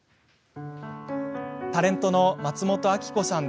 タレントの松本明子さん。